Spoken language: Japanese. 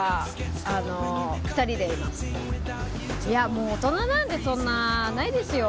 もう大人なんでそんなないですよ